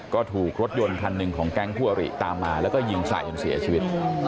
ก็ถูกรถยนต์คันหนึ่งของแก๊งคั่วหรี่ตามมาแล้วก็ยิงใส่จนเสียชีวิต